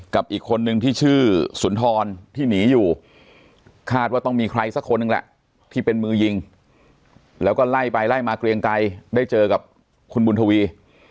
กับอีกคนนึงที่ชื่อสุนทรที่หนีอยู่คาดว่าต้องมีใครสักคนหนึ่งแหละที่เป็นมือยิงแล้วก็ไล่ไปไล่มาเกรียงไกรได้เจอกับคุณบุญทวี